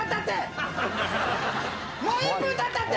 もう１分たったって！